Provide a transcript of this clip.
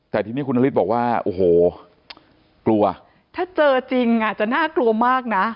แต่ทีนี้คุณนฤทธิ์บอกว่าโอ้โหกลัวถ้าเจอจริงอ่ะจะน่ากลัวมากนะ